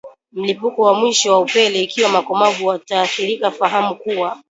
mlipuko wa mwisho wa upele Ikiwa wakomavu wataathirika fahamu kuwa